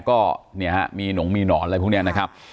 ก็มีหนองมีหนอนอะไรพวกนี้นะครับ